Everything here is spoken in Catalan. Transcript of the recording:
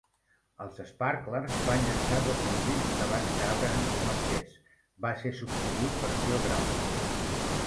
Els Sparklers van llançar dos senzills abans que Abrahams marxés; va ser substituït per Phil Grove.